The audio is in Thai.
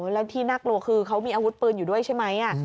แล้วที่น่ากลัวคือเขามีอาวุธปืนอยู่ด้วยใช่ไหม